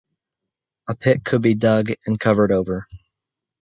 A pit would be dug and covered over.